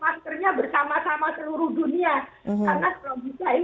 karena kalau bisa ini bersama sama menghentikan pandemi ini